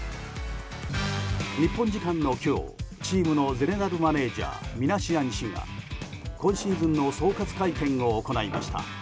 日本時間の今日チームのゼネラルマネジャーミナシアン氏が、今シーズンの総括会見を行いました。